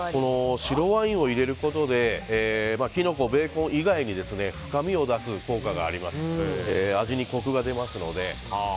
白ワインを入れることでキノコ、ベーコン以外に深みを出す効果がありますので味にコクが出ますので。